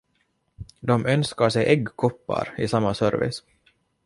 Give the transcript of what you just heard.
De önskar sig äggkoppar i samma servis.